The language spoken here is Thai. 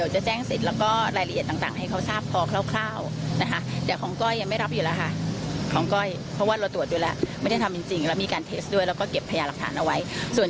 ให้รับที่ตอนหน้าศาลเมื่อศาลได้อ่านคำฟองให้ฟัง